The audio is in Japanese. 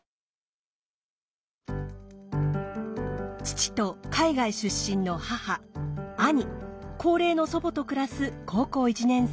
父と海外出身の母兄高齢の祖母と暮らす高校１年生。